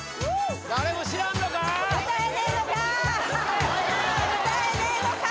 誰も知らんのか？